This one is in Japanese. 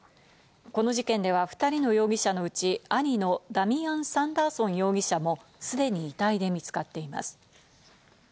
この事件では２人の容疑者のうち、兄のダミアン・サンダーソン容疑者もすでに遺体で見つかっています。